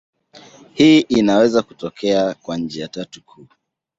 Hii inaweza kutokea kwa njia tatu kuu.